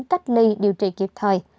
cách ly điều trị kịp thời